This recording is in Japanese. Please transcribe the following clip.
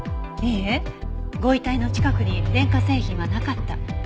いいえご遺体の近くに電化製品はなかった。